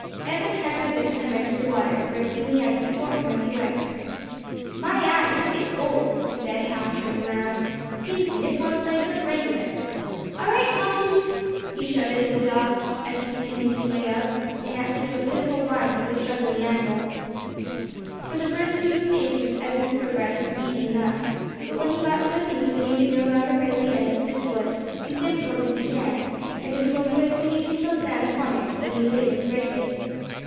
Evan had by this time entered the water, breaking the ice before him as he went. "My eye, ain't it cold!" he said, half turning round, "seems to nip one's legs up regular. All right, Flossy," he shouted to the dog, as he continued his way out, in answer to a pitiful whine of the struggling animal. [Illustration: THE RESCUE FROM THE SERPENTINE.] For the first few paces Evan's progress was easy enough; but when he got so deep that he could no longer break the ice with his foot his difficulties began, and it was only by flinging himself down upon it that he was able to break it.